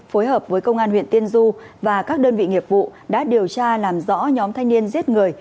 phối hợp với công an huyện tiên du và các đơn vị nghiệp vụ đã điều tra làm rõ nhóm thanh niên giết người